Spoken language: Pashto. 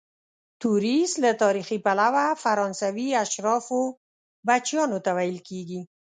توریست له تاریخي پلوه فرانسوي اشرافو بچیانو ته ویل کیدل.